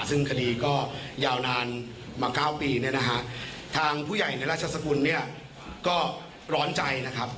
ซึ่งคดีก็ยาวนานมา๙ปีเนี่ยนะฮะทางผู้ใหญ่ในราชสกุลเนี่ยก็ร้อนใจนะครับ